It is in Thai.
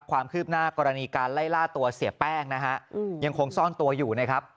ความคืบหน้ากรณีการไล่ล่าตัวเสียแป้งนะฮะยังคงซ่อนตัวอยู่นะครับ